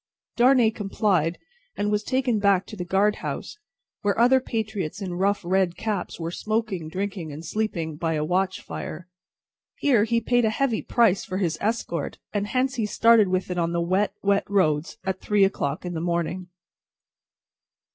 Darnay complied, and was taken back to the guard house, where other patriots in rough red caps were smoking, drinking, and sleeping, by a watch fire. Here he paid a heavy price for his escort, and hence he started with it on the wet, wet roads at three o'clock in the morning.